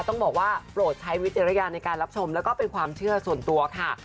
ต้องบอกว่าโปรดใช้วิจารณญาณในการรับชมแล้วก็เป็นความเชื่อส่วนตัวค่ะ